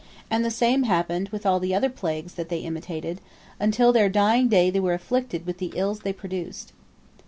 And the same happened with all the other plagues that they imitated: until their dying day they were afflicted with the ills they produced.